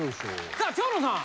さあ蝶野さん！